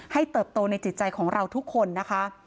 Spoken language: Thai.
เติบโตในจิตใจของเราทุกคนนะคะ